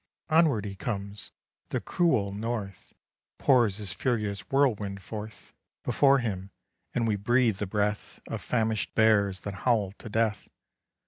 Onward he comes the cruel North Pours his furious whirlwind forth Before him and we breathe the breath Of famish'd bears that howl to death.